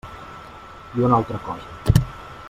I una altra cosa.